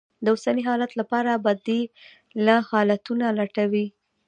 د اوسني حالت لپاره بدي ل حالتونه لټوي.